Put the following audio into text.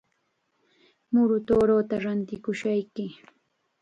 Muru tuuruuta rantikushayki.